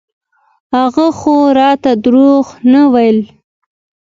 هغه خو راته دروغ نه ويل.